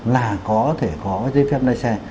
là có thể có giấy phép lái xe